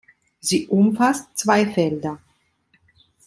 Sie umfasst zwei Felder.